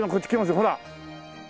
ほら！